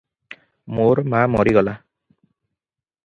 ମୋର ମା ମରିଗଲା ।